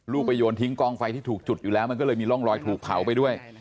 ไปโยนทิ้งกองไฟที่ถูกจุดอยู่แล้วมันก็เลยมีร่องรอยถูกเผาไปด้วย